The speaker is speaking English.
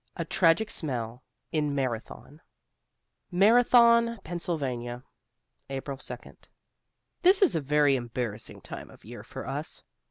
A TRAGIC SMELL IN MARATHON Marathon, Pa., April 2. This is a very embarrassing time of year for us.